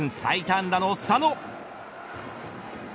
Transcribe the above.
安打の佐野。